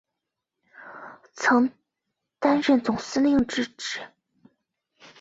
曾担任总司令之职。